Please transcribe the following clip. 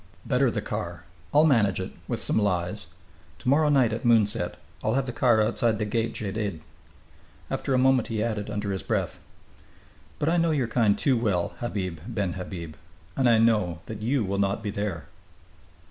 "Better the car. I'll manage it with some lies. To morrow night at moonset I'll have the car outside the gate Djedid." After a moment he added, under his breath, "But I know your kind too well, Habib ben Habib, and I know that you will not be there."